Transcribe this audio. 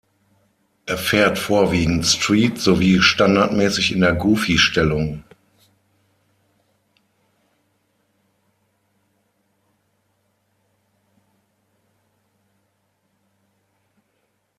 Er fährt vorwiegend Street sowie standardmäßig in der Goofy-Stellung.